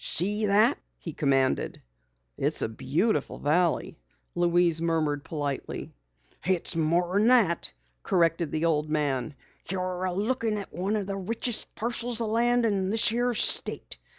"See that!" he commanded. "It's a beautiful valley," Louise murmured politely. "It's mor'n that," corrected the old man. "You're lookin' at one o' the richest parcels o' land in this here state.